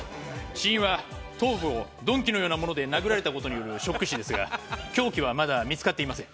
死因は頭部を鈍器のようなもので殴られた事によるショック死ですが凶器はまだ見付かっていません。